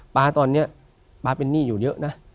๊าตอนนี้ป๊าเป็นหนี้อยู่เยอะนะ